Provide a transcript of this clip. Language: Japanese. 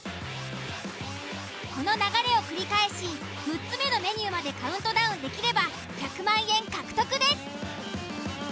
この流れを繰り返し６つ目のメニューまでカウントダウンできれば１００万円獲得です。